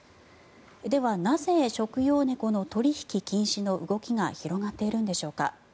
ではなぜ食用猫の取引禁止の動きが広がっているんでしょうか。